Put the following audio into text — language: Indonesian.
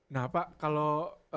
nah pak kalau